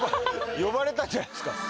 呼ばれたんじゃないですか。